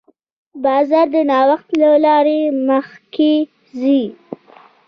بازار د نوښت له لارې مخکې ځي.